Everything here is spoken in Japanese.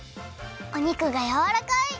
お肉がやわらかい！